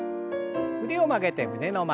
腕を曲げて胸の前。